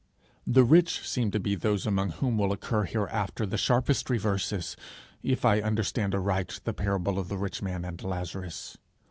The rich seem to be those among whom will occur hereafter the sharpest reverses, if I understand aright the parable of the rich man and Lazarus.